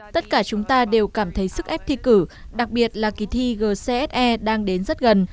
tất cả chúng ta đều cảm thấy sức ép thi cử đặc biệt là kỳ thi gcse đang đến rất gần